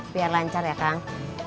biar lancar ya kang